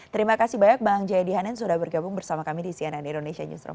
terima kasih banyak bang jayadi hanan sudah bergabung bersama kami di cnn indonesia newsroom